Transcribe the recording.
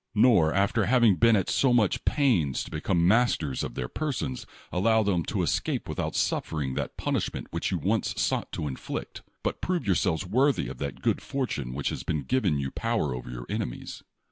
Nor, after having been at so much pains to become masters of their persons, allow them to escape without suffering that pun ishment which you once sought to inflict; but prove yourselves worthy of that good fortune which has given you power over your enemies.